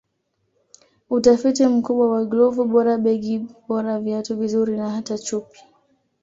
Utafiti mkubwa wa glovu bora begi bora viatu vizuri na hata chupi